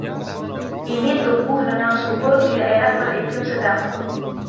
Ini tumbuh dengan subur di daerah beriklim sedang.